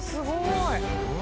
すごい！